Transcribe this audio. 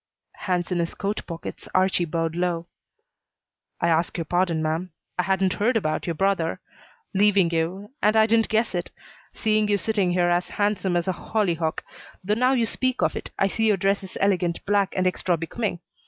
Hands in his coat pockets, Archie bowed low. "I ask your pardon, ma'am. I hadn't heard about, your brother leaving you, and I didn't guess it, seeing you sitting here as handsome as a hollyhock, though now you speak of it, I see your dress is elegant black and extra becoming.